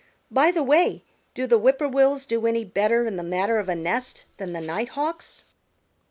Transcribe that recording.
By the way, do the Whip poor wills do any better in the matter of a nest than the Nighthawks?"